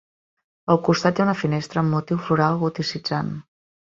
Al costat hi ha una finestra amb motiu floral goticitzant.